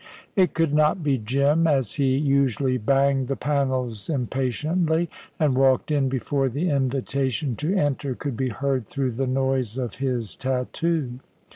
It could not be Jim, as he usually banged the panels impatiently, and walked in before the invitation to enter could be heard through the noise of his tattoo.